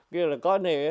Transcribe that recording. kia là có nệ